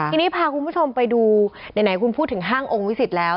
ทีนี้พาคุณผู้ชมไปดูไหนคุณพูดถึงห้างองค์วิสิตแล้ว